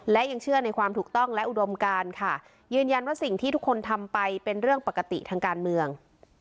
และยังเชื่อในความถูกต้องและอุดมการค่ะยืนยันว่าสิ่งที่ทุกคนทำไปเป็นเรื่องปกติทางการเมือง